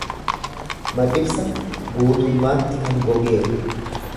Maqibsa guutummaatti kan gogeeru.